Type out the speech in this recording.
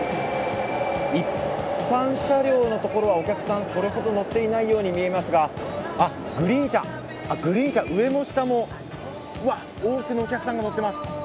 一般車両のところはお客さん、それほど乗っていないように見えますが、グリーン車、上も下も多くのお客さんが乗っています。